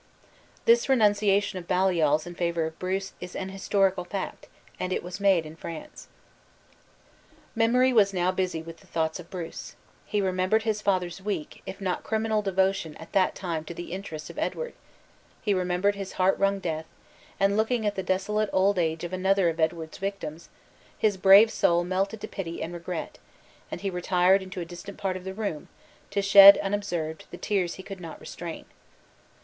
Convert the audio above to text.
" This renunciation of Baliol's in favor of Bruce is an historical fact, and it was made in France. Memory was now busy with the thoughts of Bruce. He remembered his father's weak, if not criminal devotion at that time to the interests of Edward; he remembered his heart wrung death; and looking at the desolate old age of another of Edward's victims, his brave soul melted to pity and regret, and he retired into a distant part of the room, to shed, unobserved, the tears he could not restrain.